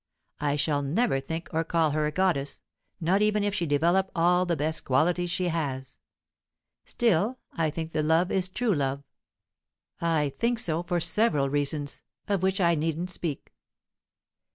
I shall never think or call her a goddess, not even if she develop all the best qualities she has. Still, I think the love is true love; I think so for several reasons, of which I needn't speak."